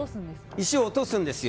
石を落とすんですよ。